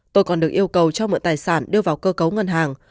tôi còn được yêu cầu cho mượn tài sản đưa vào cơ cấu ngân hàng